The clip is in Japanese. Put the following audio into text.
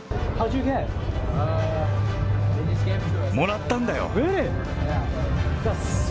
もらったんだよ。